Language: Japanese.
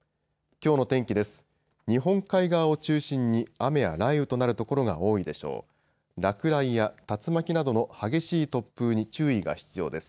きょうの天気です。